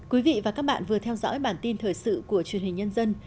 quý vị và các bạn vừa theo dõi bản tin thời sự của truyền hình nhân dân